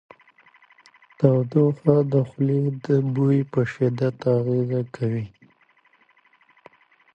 تودوخه د خولې د بوی په شدت اغېز کوي.